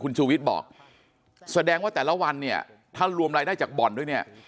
ชูวิทย์บอกแสดงว่าแต่ละวันเนี่ยถ้ารวมรายได้จากบ่อนด้วยเนี่ย